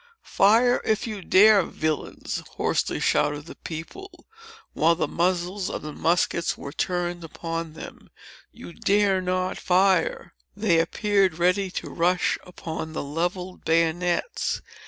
"Fire, if you dare, villains!" hoarsely shouted the people, while the muzzles of the muskets were turned upon them; "you dare not fire!" They appeared ready to rush upon the levelled bayonets.